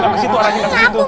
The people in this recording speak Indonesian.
gak kesitu orangnya